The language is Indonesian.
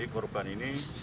jadi korban ini